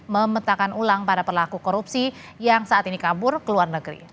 memetakan ulang para pelaku korupsi yang saat ini kabur ke luar negeri